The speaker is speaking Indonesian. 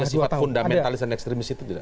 punya sifat fundamentalis dan ekstremis itu juga